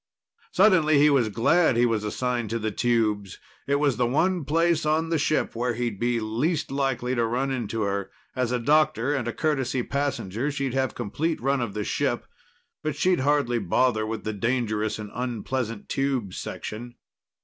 Suddenly he was glad he was assigned to the tubes. It was the one place on the ship where he'd be least likely to run into her. As a doctor and a courtesy passenger, she'd have complete run of the ship, but she'd hardly bother with the dangerous and unpleasant tube section.